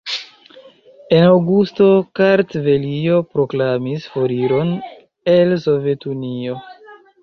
En aŭgusto Kartvelio proklamis foriron el Sovetunio.